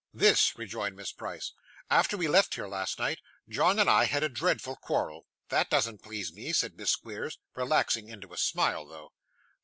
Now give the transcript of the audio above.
'This,' rejoined Miss Price. 'After we left here last night John and I had a dreadful quarrel.' 'That doesn't please me,' said Miss Squeers relaxing into a smile though.